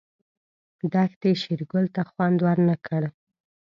دښتې شېرګل ته خوند ورنه کړ.